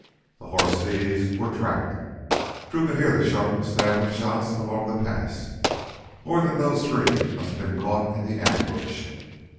The horse thieves were trapped. Drew could hear the sharp snap of shots along the pass. More than those three must have been caught in the ambush.